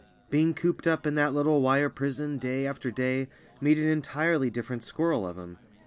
Being cooped up in that little wire prison day after day made an entirely different squirrel of him.